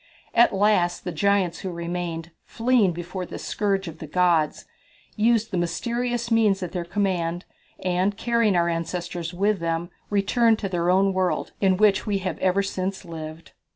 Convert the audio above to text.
At last the giants who remained, fleeing before this scourge of the gods, used the mysterious means at their command, and, carrying our ancestors with them, returned to their own world, in which we have ever since lived."